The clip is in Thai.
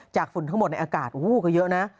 จากฝุ่นทั้งหมดในอากาศก็เยอะนะ